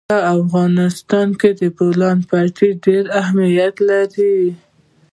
په افغانستان کې د بولان پټي ډېر اهمیت لري.